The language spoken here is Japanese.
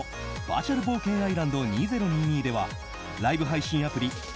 バーチャル冒険アイランド２０２２ではライブ配信アプリ